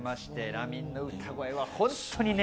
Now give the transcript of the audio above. ラミンの歌声は本当にね。